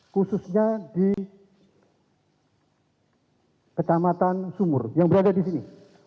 khususnya di kecamatan sumur yang berada di sini